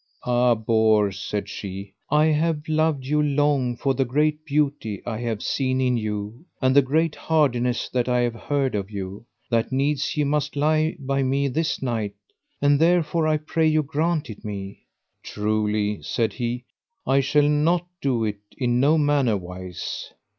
Ah Bors, said she, I have loved you long for the great beauty I have seen in you, and the great hardiness that I have heard of you, that needs ye must lie by me this night, and therefore I pray you grant it me. Truly, said he, I shall not do it in no manner wise.